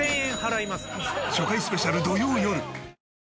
初回スペシャル土曜よる！